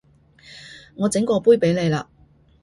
我整過杯畀你啦